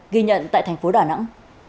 ghi nhận tại thành phố đà nẵng